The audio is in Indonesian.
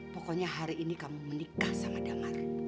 pokoknya hari ini kamu menikah sama dengar